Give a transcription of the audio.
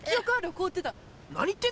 凍ってた。